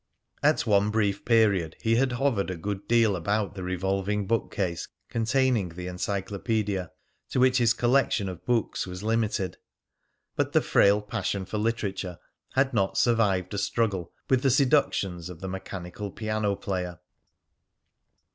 At one brief period he had hovered a good deal about the revolving bookcase containing the encyclopedia, to which his collection of books was limited; but the frail passion for literature had not survived a struggle with the seductions of the mechanical piano player.